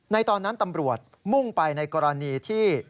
ตอนนั้นตำรวจมุ่งไปในกรณีที่